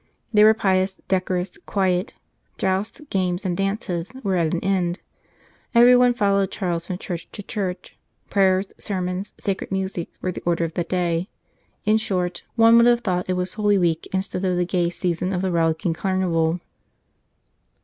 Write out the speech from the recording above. They were pious, decorous, quiet; jousts, games, and dances, were at an end. Everyone followed Charles from church to church ; prayers, sermons, sacred music, were the order of the day ; in short, one would have thought it was Holy Week instead of the gay season of the rollicking carnival.